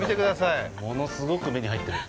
もうね、物すごく目に入ってる。